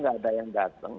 tidak ada yang datang